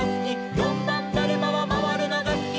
「よんばんだるまはまわるのがすき」